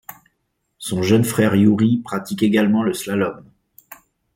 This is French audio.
Son jeune frère Youri pratique également le slalom.